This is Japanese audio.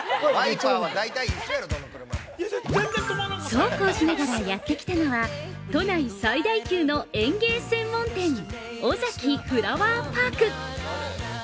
◆そうこうしながらやってきたのは、都内最大級の園芸専門店オザキフラワーパーク。